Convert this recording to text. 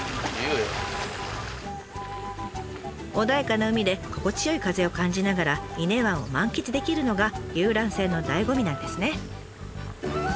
穏やかな海で心地よい風を感じながら伊根湾を満喫できるのが遊覧船のだいご味なんですね。